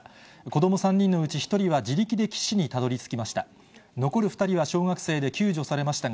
子ども３人のうち１人は自力で岸にたどりつきました。